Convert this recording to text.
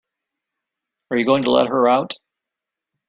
Are you going to let her out?